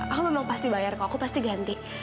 aku memang pasti bayar kok aku pasti ganti